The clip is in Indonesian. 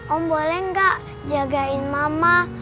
om boleh nggak jagain mama